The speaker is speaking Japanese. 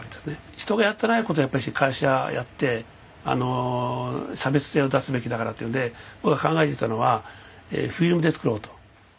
人がやっていない事でやっぱり会社をやって差別性を出すべきだからっていうので僕が考えていたのはフィルムで作ろうと。